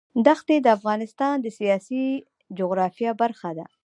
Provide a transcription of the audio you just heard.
دښتې د افغانستان د سیاسي جغرافیه برخه ده.